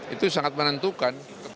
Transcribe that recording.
itu sangat menentukan